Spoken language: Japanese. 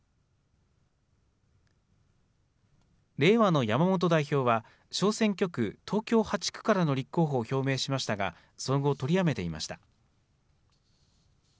れいわの山本代表は、小選挙区、東京８区からの立候補を表明しましたが、その後、取りやめていました。